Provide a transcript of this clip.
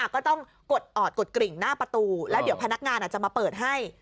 ก็ต้องกดออดกดกริ่งหน้าประตูแล้วเดี๋ยวพนักงานอาจจะมาเปิดให้